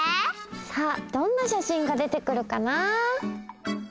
さあどんなしゃしんが出てくるかな？